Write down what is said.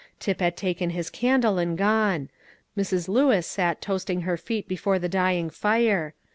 Tip had taken his candle and gone. Mrs. Lewis sat toasting her feet before the dying fire.